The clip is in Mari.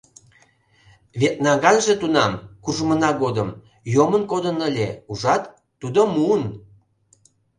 Вет наганже тунам, куржмына годым, йомын кодын ыле, ужат, тудо муын.